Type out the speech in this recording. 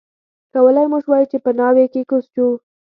کولای مو شوای چې په ناوې کې کوز شو.